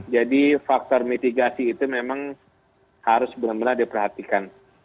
jadi faktor mitigasi itu memang harus benar benar diperhatikan